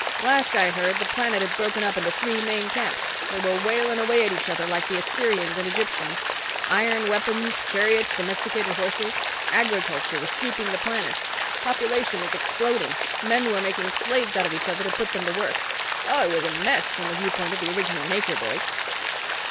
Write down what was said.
Last I heard, the planet had broken up into three main camps. They were whaling away at each other like the Assyrians and Egyptians. Iron weapons, chariots, domesticated horses. Agriculture was sweeping the planet. Population was exploding. Men were making slaves out of each other, to put them to work. Oh, it was a mess from the viewpoint of the original nature boys."